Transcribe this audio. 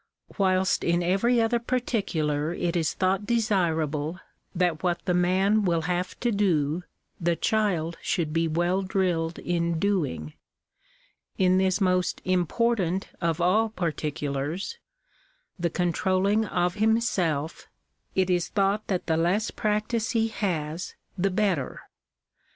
Whilst in every other particular it is thought desirable that what the man will have to do, the child should be well drilled in doing, in this most important of all particulars — the controlling of himself — it is thought that the less practice he has the better.